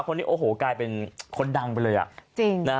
คนที่โอ้โหกลายเป็นคนดังไปเลย